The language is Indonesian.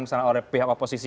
misalnya oleh pihak oposisi